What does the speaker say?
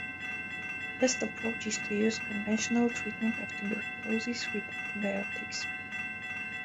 The best approach is to use conventional treatment of tuberculosis with antibiotics.